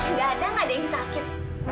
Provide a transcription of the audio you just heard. nggak ada nggak ada yang sakit